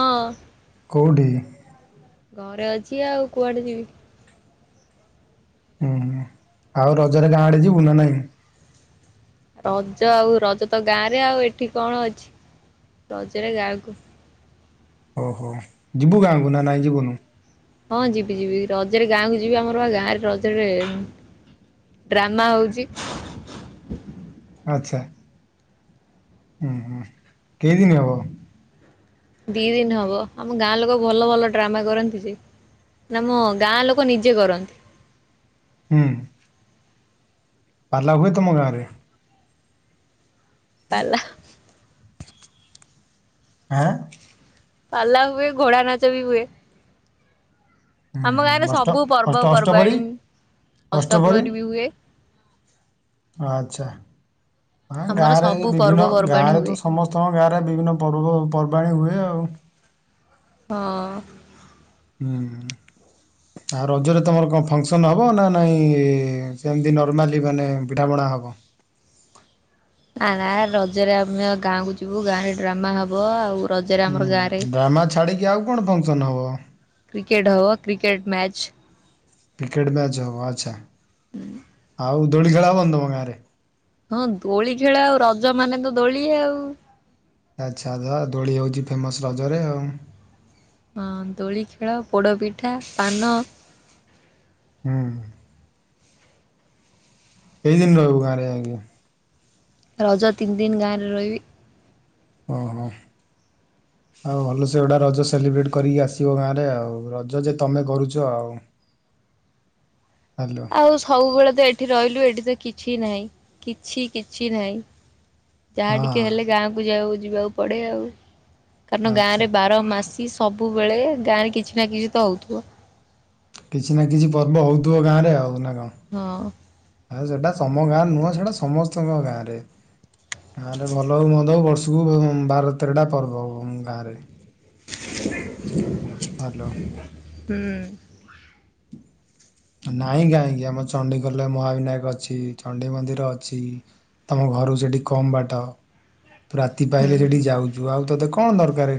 ହଁ କଉଠି? ଘରେ ଅଛି ଆଉ କୁଆଡେ ଯିବି? ଉହୁଁ। ଆଉ ରଜରେ ଗାଁ ଆଡେ ଯିବୁ ନା ନାଇଁ? ରଜ ଆଉ ରଜ ତ ଗାଁରେ। ଆଉ ଏଠି କଣ ଅଛି ରଜରେ ଗାଁକୁ। ଓହୋ ଯିବୁ ଗାଁ କୁ ନା ନାଇଁ ଯିବୁନୁ। ହଁ ଯିବି ଯିବି ରଜରେ ଗାଁ କ ଯିବି ଆମର ବା ଗାଁରେ ରଜରେ ଡ୍ରାମା ହଉଛି। ଆଛା ହୁଁ ହୁଁ କେତେଦିନ ହେବ? ଦି ଦିନ ହବ ଆମ ଗାଁ ଲୋକ ଭଲ ଭଲ ଡ୍ରାମା କରନ୍ତି ଯେ ଆମ ଗାଁ ଲୋକ ନିଜେ କରନ୍ତି। ହୁଁ। ପାଲା ହୁଏ ତମ ଗାଁରେ? ପାଲା ହେଁ। ଆଁ ପାଲା ହୁଏ ଘୋଡ଼ା ନାଚ ବି ହୁଏ। ହୁଁ ଆମ ଗାଁରେ ହୁଁ ଅଷ୍ଟ ସବୁ ଅଷ୍ଟ ଅଷ୍ଟପରି ପର୍ବପର୍ବାଣୀ ଅଷ୍ଟ ଅଷ୍ଟପରି ପ୍ରହରୀ ବି ହୁଏ। ଆଚ୍ଛା। ହଁ ଆମର ଗାଁରେ ସବୁ ବିଭିନ୍ନ ଗାଁ ପର୍ବପର୍ବାଣୀ ରେ ହୁଏ ତ ସମସ୍ତଙ୍କ ଗାଁରେ ବିଭିନ୍ନ ପର୍ବ ପର୍ବାଣୀ ହୁଏ ଆଉ। ହଁ। ହୁଁ ଆଉ ରଜରେ ତମର କଣ ଫଙ୍କସନ ହବ ନା ନାଇଁ ସେମତି ନର୍ମାଲି ମାନେ ପିଠା ପଣା ହବ? ନା ନା ରଜରେ ଆମେ ଗାଁ କୁ ଯିବୁ ଗାଁ ରେ ଡ୍ରାମା ହବ ଆଉ ରଜରେ ଆମର ହୁଁ ଗାଁରେ ଡ୍ରାମ ଛାଡିିକି ଆଉ କଣ ଫକ୍ସନ ହବ? ମ୍ୟାଚ୍। କ୍ରିକେଟ ମ୍ୟାଚ ହଉ ଆଚ୍ଛା। ଆଉ ଦୋଳି ଖେଳ ହେବନି ତୁମ ଗାଁ ରେ। ହଁ ଦୋଳି ଖେଳ ଆଉ ରଜ ମାନେ ତ ଦୋଳି ଆଉ। ଆଚ୍ଛା ଧ ଦୋଳି ହଉଛି ଫେମସ ରଜରେ ଆଉ। ହଁ ଦୋଳି ଖେଳ ପୋଡ଼ପିଠା ପାନ। ହୁଁ। କେଇ ଦିନ ରିବ କାରେ ଆଜ୍ଞା। ରଜ ତିନି ଦିନ ଗାଁରେ ରହିବି। ଓହୋ ଆଉ ଭଲ ସେ ଗୋଟା ରଜ ସେଲିବ୍ରେଟ କରିକି ଆସିବ ଗାଁରେ ଆଉ ରଜ ଯେ ତମେ କରୁଛ ଆଉ। ହ୍ୟାଲୋ ଆଉ ସବୁବେଳେ ତ ଏଠି ରହିଲୁ ଏଠି ତ କିଛି ନାହିଁ କିଛି କିଛି ନାହିଁ। ଯାହା ଟିକେ ହଁ ହେଲେ ଗାଁକୁ ଯାଉ। ଯିବାକୁ ପଡ଼େ ଆଉ। କଣ ଆଚ୍ଛା ଗାଁରେ ବାର ମାସ ସବୁବେଳେ ଗାଁରେ କିଛି ନା କିଛି ତ ହଉଥିବ। କିଛି ନା କିଛି ପର୍ବ ହଉଥିବ ଗାଁ ରେ ଆଉ ନା କ ହଁ। ଆଉ ସେଟା ତମ ଗାଁ ନୁହଁ ସେଇଟା ସମସ୍ତଙ୍କ ଗାଁରେ। ଆରେ ଭଲ ହଉ ମନ୍ଦ ହଉ ବର୍ଷ ସୁ ବାର ତେରଟା ପର୍ବ ଗାଁରେ। [inaudible] ହାଲୋ। ହୁଁ। ନାଇଁ କାହିଁକି ଆମ ଚଣ୍ଡିୀଖୋଲରେ ମହାବିନାୟକ ଅଛି, ଚଣ୍ଡି ମନ୍ଦିର ଅଛି ତମ ଘରୁ ସେଠି କମ ବାଟ। ରାତି ପାଇହଲେ ହୁଁ। ସେଠି ଯାଉଛୁ ଆଉ ତତେ କଣ ଦରକାରେ?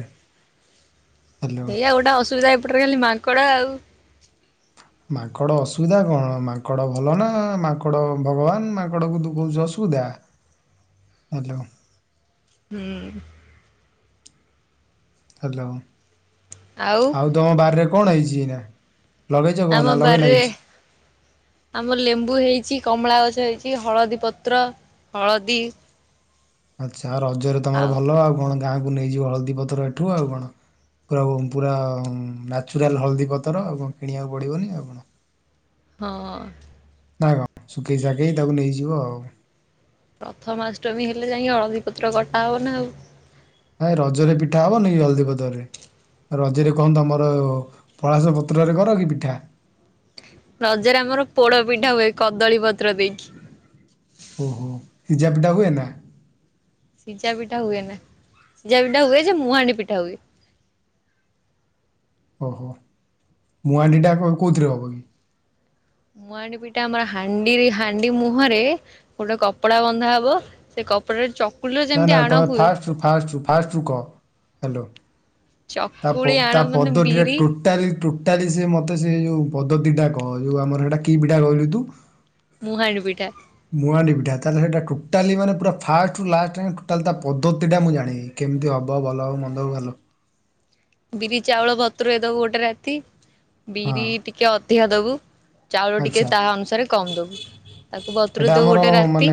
ଏଇଆଗୋଟେ ଅସୁବିଧା ଏପଟରେ ଖାଲି ମାଙ୍କଡ ଆଉ। ମାଙ୍କଡ ଅସୁବିଧା କଣ ମାଙ୍କଡ ଭଲ ନା ମାଙ୍କଡ ଭଗବାନ ମାଙ୍କଡ କୁ ତୁ କହୁଛୁ ଅସୁବିଧା ହଁ। ହାଲୋ। ଆଉ ତମ ବାରିରେ କଣ ହେଇଛି ଏଇନା ଲଗେଇଛ କଣ ଆମ ନା ଲଗେଇନା ବାରିରେ କିଛି? ଆମର ଲେମ୍ବୁ ହେଇଛି କମଳା ଗଛ ହେଇଛି। କି ହଳଦୀ ପତ୍ର ହଳଦୀ ଆଛା। ଆଉ ରଜରେ ତମର ଭଲ ଆଉ କଣ? ଗାଁକୁ ନେଇଯିବ ହଳଦୀପତର ଏଠୁ ଆଉ କଣ ପୁରା ପୁରା ନ୍ୟାଚୁରାଲ ହଳଦୀ ପତର ଆଉ କଣ କିଣିବାକୁ ପଡ଼ିବନି ଆଉ କଣ? ହଁ। ନା କଣ ଶିଖେଇ ଶାଖେଇ ତାକୁ ନେଇଯିବ ଆଉ। ପ୍ରଥମାଷ୍ଟମୀ ହେଲେ ଯାଇକି ହଳଦୀ ପତ୍ର କଟାହବନା ଆଉ। ଏ ରଜରେ ପିଠା ହବନି ହଲଦୀ ପତ୍ରରେ ରଜରେ କଣ ତମର ପଳାସ ପତ୍ରରେ କର କି ପିଠା ରଜରେ ଆମର ପୋଡ ପିଠା ହୁଏ କଦଳୀ ପତ୍ର ଦେଇକି ସିଝା ପିଠା ହୁଏ ନା। ସିଝା ପିଠା ହୁଏନା ସିଝା ପିଠା ହୁଏ ଯେ ମୁହାଣ୍ଡି ପିଠା ହୁଏ। ମୁହାଣ୍ଡି ଟା କୋଉଥିରେ ହବ କି? ମୁହାଣ୍ଡି ପିଠା ଆମର ହାଣ୍ଡିରେ ହାଣ୍ଡି ମୁହଁରେ ଗୋଟେ କପଡା ବନ୍ଧା ହବ ସେ କପଡାରେ ଚ ନା ନା ତମେ ଫାଷ୍ଟରୁ ଫାଷ୍ଟରୁ ଫାଷ୍ଟରୁ କହ ହାଲୋ ଚକୁଳି ତା-ପ ଆଣ ତା ମାନେ ପଦ ଟିରେ ବିରି ଟୋଟାଲି ଟୋଟାଲି ସ ମତେ ସେ ଯୋଉ ପଦ୍ଧତି ଟା କହ ଯୋଉ ଆମର ସେଇଟା କି ପିଠା କହିଲୁ ତୁ? ମୁହାଣ୍ଡି ପିଠା। ମୁହାଣ୍ଡି ପିଠା ତାହେଲେ ସେଇଟା ଟୋଟାଲି ମାନେ ପୁରା ଫାଷ୍ଟ ଟୁ ଲାଷ୍ଟ ଟୋଟାଲି ତା ପଦ୍ଧତି ଟା ମୁଁ ଜାଣିବି କେମିତି ହବ ଭଲ ହବ ମନ୍ଦ ହବ ଭଲ ବିରି ଚାଉଳ ବତୁରେଇଦବୁ ଗୋଟେ ରାତି। ହଁ ବିରି ଟିକେ ଅ ଧିକ ଦବୁ। ଚାଉଳ ଟିକେ ଆଚ୍ଛା ତା ଅନୁସାରେ କମ ଦବୁ ତାକୁ ଏଇଟା ବତୁରେଇ ଦବୁ ଆମର ଗୋଟେ ରାତି ମାନେ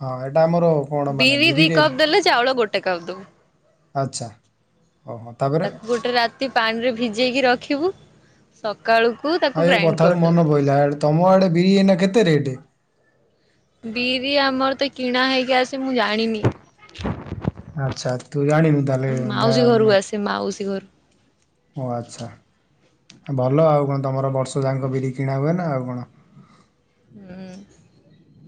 ହଁ ଏଇଟା ଆମର କଣ ମାନେ ବିରି ଦି ବିରିରେ କପ ଦେଲେ ଚାଉଳ ଗୋ [unintelligible] ଆଚ୍ଛା। ଓହୋ ତାପରେ ତାକୁ ଗୋଟେ ରାତି ପାଣିରେ ଭିଜେଇକି ରଖିବୁ। ସ ଆଉ ଏ କଥାରୁ ମନ ପଇଲା ତମ ଆଡେ ବିରି ଏଇନା କେତେ ରେଟ୍? ବିରି ଆମର ତ କିଣା ହେଇକି ଆସେ ମୁଁ ଜାଣିନି। ଆଚ୍ଛା ଆ ମାଉସୀ ଘରୁ ଆସେ ମାଉସୀ ଘରୁ। ଓ ଆଚ୍ଛା ଭଲ ଆଉ କଣ ତମର ବ ର୍ଷ ଯାଙ୍କ ବିରି କିଣା ହୁଏନା ଆଉ। କଣ? ହୁଁ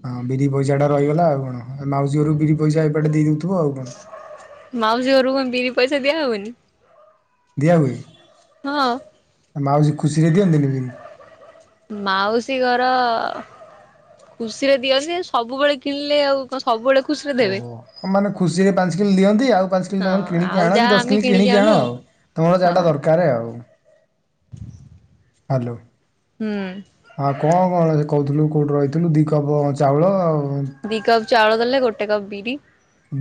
ହଁ ବିରି ପଇସା ଟା ରହିଗଲା ଆଉ କଣ ମାଉସୀ ଘରୁ ବିରି ପଇସା ଏବାଟେ ଦେଇଦଉଥି ମାଉସୀ ଘରୁ କଣ ବିରି ପଇସା ଦିଆ ହୁଏନି । ଦିଆ ହୁଏ। ହଁ। ମାଉସୀ ଖୁସିରେ ଦିଅନ୍ତିନି ବିିରି? ମାଉସୀ ଘର ଖୁସିରେ ଦିଅନ୍ତି ସବୁବେଳେ କିଣିଲେ ଆଉ କଣ? ସବୁବେଳେ ଖୁସିରେ ଦେବେ। ଓହୋ ମାନେ ଖୁସିରେ ପାଞ୍ଚ କିଲୋ ଦିଅନ୍ତି ଆଉ ପାଞ୍ଚ କିଲୋ ହଁ ତମର କିଣିକି ଆଉ ଆଣ ଯାହା କି ଦଶ ଆମେ କିଲୋ କିଣିକି ଆଣୁ ଆଣ ଆଉ ତମର ଯାହାଟା ହଁ। ଦରକାର ଆଉ। ହାଲୋ। ହୁଁ ହଁ କଣ କଣ ସେ କଉଥୁଲୁ? କୋଉଠୁ ରଇଥିଲୁ ଦି କପ୍ ଚାଉଳ ଆଉ ଦି କପ୍ ଚାଉଳ ଦେଲେ ଗୋଟେ କପ୍ ବି ରି।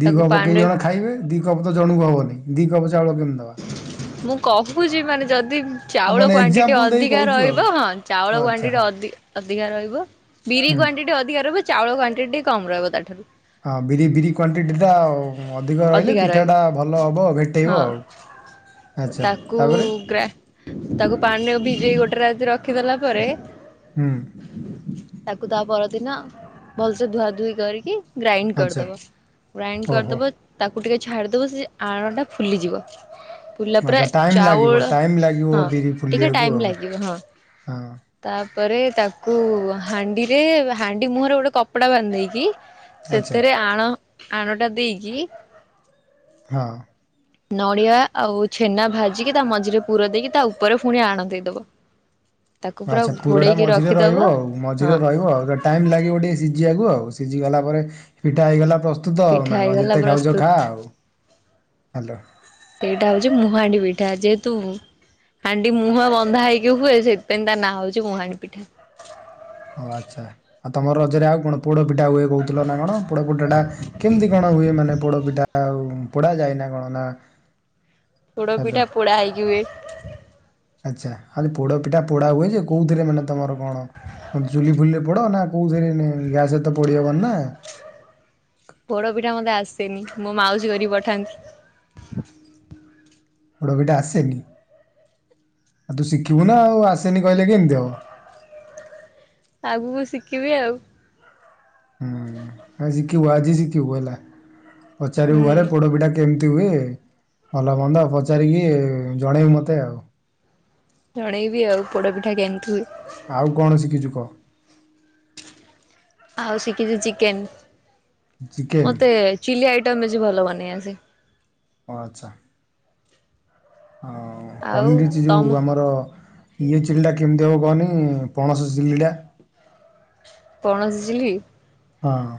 ଦି କପ୍ କେଇ ଜଣ ଖାଇବେ ଦି କପ୍ ତ ଜଣୁଙ୍କୁ ହବନି। ଦିକପ୍ ମୁଁ କହୁଛି ମାନେ ଯଦି ଓ ଚାଉଳ ମାନେ କ୍ବାଣ୍ଟିଟି ଏକ୍ଜାମ୍ପଲ୍ ଦେଇ ଅଧିକା କହୁଛୁ ଆଉ ରହିବ ହଁ ଓ ଚାଉଳ ଆଚ୍ଛା କ୍ଵାଣ୍ଟିଟି ହଁ ଅଧିକ ଅଧିକା ରହିବ ବିରି ହୁଁ। କ୍ୱାଣ୍ଟି ଅଧିକ ରହିବ ଚାଉଳ କ୍ୱାଣ୍ଟି କମ ରହିବ ତାଠାରୁ। ହଁ ବିରି ବିରି କ୍ଵଣ୍ଟିଟି ଟା ଅଧିକ ରହିଲେ ଅଧିକା ରହିବ। ପିଠାଟା ଭଲ ହବ ଭେଟେଇବ ହଁ ଆଉ। ଆଚ୍ଛା ତାକୁ ତାପରେ ଗ ତାକୁ ପାଣିରେ ଭିଜେଇ ଗୋଟେ ରାତି ରଖି ରଖିଦଲା ପରେ ହୁଁ। ଦିନ ଭଲସେ ଧୁଆ ଧୁଇ କରିକି ଗ୍ରାଇଣ୍ଡ ଆଚ୍ଛା କରିଦବ ଗ୍ରାଇଣ୍ଡ ଓହୋ। କରିଦବ ତାକୁ ଟିକେ ଛାଡ଼ିଦବ ସେ ଆଣଟା ଫୁଲିଯିବ। ଫୁଲିଲା ପରେ ଆ ଟାଇମ୍ ଲାଗିବ ଚାଉଳ ଟାଇମ୍ ଲାଗିବ ହଁ ବିରି ଟିକେ ଫୁଲିବାକୁ ଟାଇମ୍ ଆଉ ହଁ। ପରେ ତାକୁ ହାଣ୍ଡିରେ ହାଣ୍ଡି ମୁହଁରେ ଗୋଟେ କପଡା ବାନ୍ଧେଇକି ଆଚ୍ଛା ସେଥିରେ ଆଣ ଆନୋଟା ଦେଇକି ହଁ। ନଡିଆ ଆଉ ଛେନା ଭାଜିକି ତା ମଝିରେ ପୁର ଦେଇକି ତା ଉପରେ ପୁଣି ଆଣ ଦେଇେଇଦବ। ଆଚ୍ଛା ପୁରଟା ମଝିରେ ରହିବ ଆଉ ହଁ ମଝିରେ ରହିବ ଆଉ ଟାଇମ୍ ଲାଗିବ ଟିକେ ସିଝିବାକୁ ଆଉ। ସିଝି ଗଲା ପରେ ପିଠା ହେଇଗଲା ପ୍ର ପିଠା ହେଇଗଲା ପ୍ରସ୍ତୁତୁ ହ୍ୟାଲୋ ସେଇଟା ହଉଛି ମୁହାଣ୍ଡି ପିଠା। ପିଠା ଯେହେତୁ ହାଣ୍ଡି ମୁହଁ ବନ୍ଧା ହେଇକି ହୁଏ ସେଥିପାଇଁ ତା ନାଁ ହଉଛି ମୁହାଣି ପିଠା। ଓ ଆଚ୍ଛା ଆଉ ତମର ରଜରେ ଆଉ କଣ ପୋଡ଼ପିଠା ହୁଏ କହୁଥିଲ ନା କଣ ପୋଡ଼ପିଠାଟା କେମିତି କଣ ହୁଏ ମାନେ ପୋଡ ପିଠା ଆଉ ପୋଡା ଯାଏନା କଣ ନା ପୋଡ ହ୍ୟାଲୋ ପିଠା ପୋଡ଼ା ହେଇକି ହୁଏ। ଆଚ୍ଛା ଆରେ ପୋଡ ପିଠା ପୋଡା ହୁଏ ଯେ କୋଉଥିରେ ମାନେ ତମର କଣ ଚୁଲି ଫୁଲିରେ ପୋଡ ନା କୋଉଥିରେ ଗ୍ୟାସରେ ତ ପୋଡି ହବନି ନା ପୋଡ ପିଠା ମତେ ଆସେନି ମୋ ମାଉସୀ କରି ପଠାନ୍ତି। ପୋଡ଼ପିଠା ଆସେନି ଆଉ ତୁ ଶିଖିବୁ ନା ଆଉ ଆସେନି କହିଲେ କେମିତି ହବ। ଆଗକୁ ଶିଖିବି ଆଉ। ହୁଁ ଆଜି ଆଜି ଆଜି ଶିଖିବୁ ହେଲା। ପଚାରି ହୁଁ ବୁ ଘରେ ପୋଡ଼ପିଠା କେମିତି କେମିତି ହୁଏ ଭଲ ମନ୍ଦ ପଚାରିକି ଜଣେଇବୁ ମତେ ଆଉ। ଜଣେଇବି ଆଉ ପୋଡ଼ ପିଠା କେମିତି ହୁଏ। ଆଉ କଣ ଶିଖିଛୁ କହ? ଆଉ ଶିଖିଛି ଚିକେନ। ଚିକେନ୍ ମତେ ଚିଲି ଆଇଟମ୍ ବେଶୀ ଭଲ ବନେଇ ଆସେ। ହ ଆଉ ପନିର ଅଛି ଯୋଉ ତମ ଆମର ଇଏ ଚିଲି ଟା କେମିତି ହବ କହନି ପଣସ ଚିଲିଟା? ପଣସ ଚିଲି? ହଁ।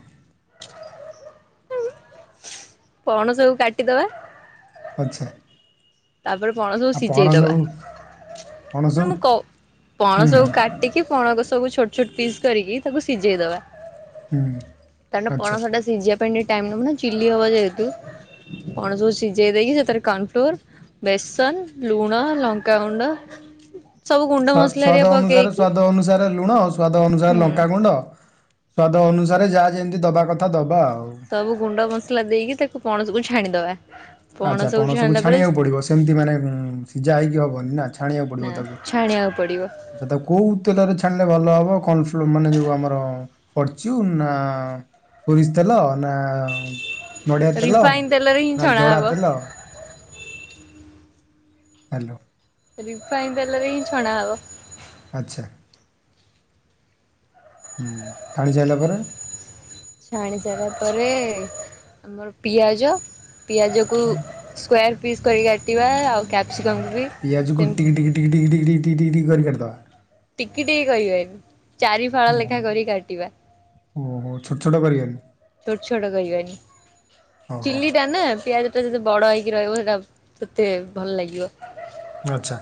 ପଣ ସବୁ କାଟିଦବା ଆଛା। ତାପରେ ପଣସକୁ ସିଝେଇଦବା ପଣସକୁ ମୁଁ ହୁଁ ହୁଁ ପଣସକୁ କାଟିକି ପଣସ ସବୁ ଛୋଟ ଛୋଟ ପିସ୍ କରିକି ତାକୁ ସିଜେଇ ଦେବା। ହୁଁ ଆଚ୍ଛା। ପଣସଟା କୁ ସିଝିବା ଚିଲି ହବ ଯେହେତୁ ପଣସ ସବୁ ସିଝେଇ ଦେଇକି ସେଥିରେ କର୍ଣ୍ଣ ଫ୍ଲୋର୍ ବେସନ, ଲୁଣ, ଲଙ୍କାାଗୁଣ୍ଡ ସ୍ଵାଦ ସ୍ଵାଦ ସ୍ଵଦ୍ଅନୁସାରେ ଅନୁସାରେ ଲୁଣ ସ୍ଵାଦ ଅନୁସାରେ ହୁଁ ଲଙ୍କାାଗୁଣ୍ଡ ସ୍ଵାଦ ଅନୁସାରେ ଯାହା ଯେମିତି ଦବା କଥା ଦବା ଆଉ ସବୁ ଗୁଣ୍ଡ ମସଲା ଦେଇକି ତାକୁ ପଣସକୁ ହାଣିଦ ଆଚ୍ଛା ପଣ ସବୁ ଛାଣିବାକୁ ପଡିବ ସେମିତି ମାନେ ସିଝା ହେଇକି ହବନି ନା ଛାଣିବାକୁ ପଡିବ ନା ତାକୁ ଛାଣିବାକୁ ପଡିବ ଆ୍ଛା ତା କୋଉ ତେଲରେ ଛାଣିଲେ ଭଲ ହବ। କ ମାନେ ଯୋଉ ଆମର ଫର୍ଚୁ ନା ସୋରିଷ ଦେଲ ନା ରିଫାଇନ ତେଲରେ ହିଁ ଛଣା ହବ। ହ ହାଲୋ ରିଫାଇ ଦେଲରେ ହିଁ ଛଣା ହବ। ଆଚ୍ଛା ହ ଜାଣିଛାରିଲା ପରେ ଛାଣି ସାରିଲା ପରେ ଆମର ପିଆଜ ପିଆଜକୁ ସ୍କ୍ଵୟାର ପିସ୍ କର କାଟିବା ଆଉ। କ୍ୟାପ୍ସିକମ୍ ବି ପିଆଜ କୁଟି ସେମିତି କରି କରି କରତା ଟିକି ଟିକ କିବେନି ଚାରି ଫାଳ ଲେଖା ଓହୋ କରି କାଟିବା ଓହୋ ଛୋଟ ଛୋଟ କରିବନି ଛୋଟ ଛୋଟ କହିବନି ଓହୋ ଚିଲ୍ଲି ଟା ନା ପିଆଜ ଟା ଯଦି ବଡ ହେଇ ରହିବ ସେଇଟା ତତେ ଭଲ ଲାଗିବ। ଆଚ୍ଛା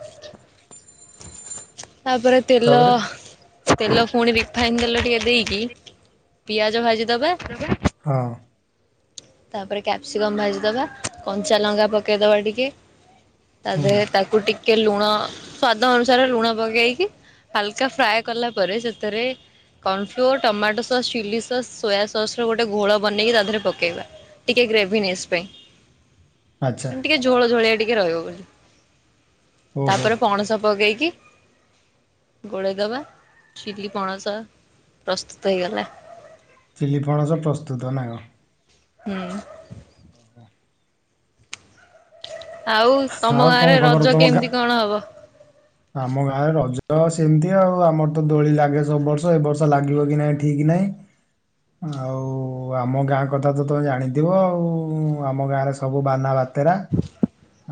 [inaudible] ତାପରେ ତେଲ ତାପରେ ତେଲ ପୁଣି ରିଫାଇନ ତେଲ ଟିକେ, ଦେଇକି ପିଆଜ ଭାଜି, ହଁ, ତାପରେ କ୍ୟାପ୍ସିକମ୍ ଭାଜିଦବା କଞ୍ଚା ଲଙ୍କା ପକେଇଦବା ଟିକେ, ହୁଁ ତାପରେ ତାକୁଟିିକେ କେ ଲୁଣ ସ୍ୱାଦ ଅନୁସାରେ ଲୁଣ ପକେଇ ଦେଇକି ହାଲକା ଫ୍ରାଏ କଲାପରେ ସେଥେର କନଫ୍ଲୋର ଟମାଟୋସସ ଚିଲିସସ ସୋୟାସସ ର ଗୋଟେ ଗୋଳ ବନେଇକି ତା ଦେହରେ ଟିକେ ପକେଇବା ଟିକେ ଗ୍ରେଭିନେସ ପାଇଁ। ଆଚ୍ଛା ଟିକେଝଳ ଝୋଳିଆ ଟିକେ, ରହିବ ବୋଲି। ଓହୋ ତାପରେ ପଣସ ପକେଇକି ଗୋଳେଇ ଦବା ଚିଲି ପଣସ ପ୍ରସ୍ତୁତ ହେଇଗଲା। ଚିଲିପଣସ ପ୍ରସ୍ତୁତ ନା କ'ଣ? ହୁଁ ଆଉ ତମ ଆଉ କଣ ଗାଁରେ ଖବର ରଜ ତମ ଗାଁ କେମିତି କଣ ହବ। ତ ସେମିତି ଆଉ ଆମର ତ ଦୋଳି ଲାଗେ ସବୁ ବର୍ଷ ଏ ବର୍ଷ ଲାଗିବ କି ନାହିଁ ଠିକ ନାହିଁ ଆଉ ଆମ ଗାଁ କଥା ତ ତମେ ଜାଣିଥିବ ଆଉ ଆମ ଗାଁ ରେ ସବୁ ବାନା ବା ତେ୍ରା।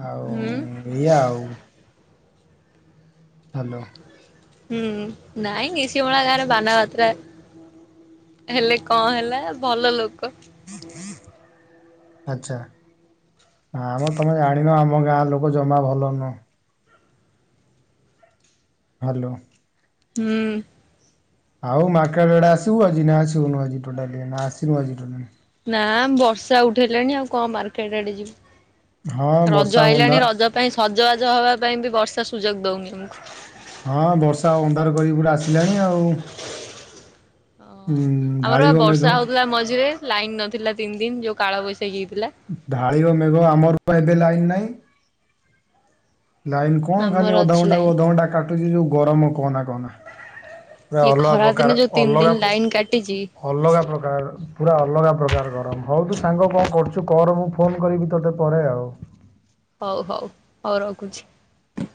ଆଉ ହୁଁ ଏଇଆ ଆଉ। ହାଲୋ। ହୁଁ ନାଇଁ ନିସିମଳା ଗାଁରେ ବାନା ଭାତ୍ରା ହେଲେ କଣ ହେଲା ଭଲ ଲୋ [inaudible] ଆଚ୍ଛା ନା ମ ମେ ଜାଣିନ ଆମ ଗାଁ ଲୋକ ଜମା ଭଲ ନୁହ। ହାଲୋ। ହୁଁ। ଆଉ ମାର୍କେଟ ଆଡ଼େ ଆସିବୁ ଆଜି ନା ଆସିବୁନୁ ଆଜି ଟୋଟାଲି ନା ଆସିନୁ ଆଜି ଟୋଟ ନା ବର୍ଷା ଉଠେଇଲାଣି ଆଉ କଣ ମାର୍କେଟ ଆଡେ ହଁ ଯିବୁ। ବର୍ଷା ରଜ ଆଇଲାଣି ଅନ୍ଧାର ରଜ ପାଇଁ ସଜବାଜ ହବା ପାଇଁ ବି ବର୍ଷା। ସୁଯୋଗ ଦଉନି ଆମକୁ। ହଁ ବର୍ଷା ଅନ୍ଧାର କରି ପୁରା ଆସିଲାଣି ଆଉ। ଆମର ଢାଳିବ ବା ବର୍ଷା ମେଘ ହଉଥିଲା ମଝିରେ ଲାଇନ ନଥ ନଥିଲା ତିନି ଦିନ ଯୋଉ କଳ ବୈଶ ଶାଖି ହେଇଥିଲା। ଢାଳିବ ମେଘ ଆମର ତ ଏବେ ଲାଇନ ନାହିଁ। ଲାଇନ କଣ ଖାଲି ଆମର ଅଛି ଅଧଘଣ୍ଟା କୁ ଲାଇନ। ଅଧଘଣ୍ଟା କଟୁଛି ଯୋଉ। ଗରମ କହନା। କହ ନା ପୁରା ଇଏ ଅଲଗା ଖରା ପ୍ରକାର ଦିନେ ଯୋଉ ତିନି ଅଲଗା ଦିନ ଲାଇନ କାଟିଛି ଅଲଗା ପ୍ରକାର ର ପୁରା ଅଲଗା ପ୍ରକାର ଗରମ ବହୁତୁ। ସାଙ୍ଗ କଣ କରଚୁ? ତୁ କର ମୁଁ ଫୋନ କରିବି ତତେ ପରେ ଆଉ। ହଉ ହଉ ହଉ ରଖୁଛି।